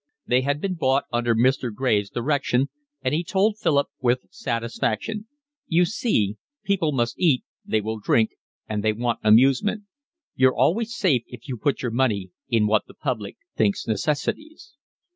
They had been bought under Mr. Graves' direction, and he told Philip with satisfaction: "You see, people must eat, they will drink, and they want amusement. You're always safe if you put your money in what the public thinks necessities."